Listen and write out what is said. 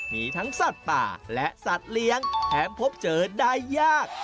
มีทั้งสัตว์ป่าและสัตว์เลี้ยงแถมพบเจอได้ยาก